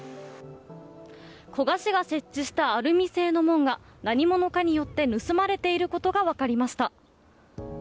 古賀市が設置したアルミ製の門が何者かによって盗まれていることが分かりました。